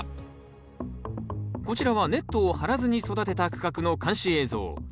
こちらはネットを張らずに育てた区画の監視映像。